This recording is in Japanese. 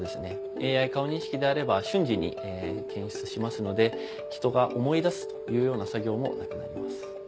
ＡＩ顔認識であれば瞬時に検出しますのでひとが思い出すというような作業もなくなります。